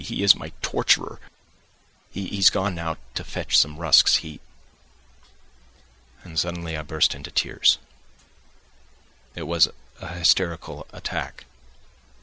He is my torturer.... He has gone now to fetch some rusks; he ..." And suddenly I burst into tears. It was an hysterical attack.